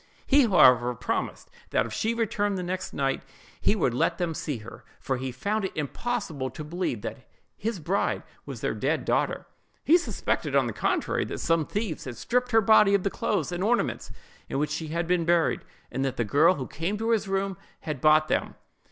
He, however, promised that if she returned the next night, he would let them see her; for he found it impossible to believe that his bride was their dead daughter. He suspected, on the contrary, that some thieves had stripped her body of the clothes and ornaments in which she had been buried, and that the girl who came to his room had bought them.